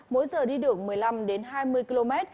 mỗi giờ đi được một mươi năm đến hai mươi km